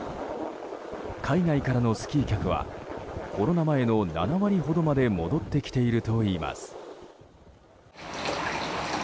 海外からのスキー客はコロナ前の７割ほどまで戻ってきているといいます。